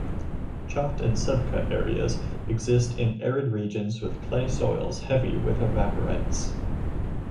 Chott and sebkha areas exist in arid regions with clay soils heavy with evaporites.